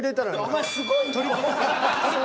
お前すごいな。